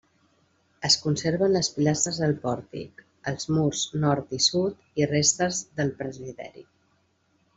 Es conserven les pilastres del pòrtic, els murs nord i sud i restes del presbiteri.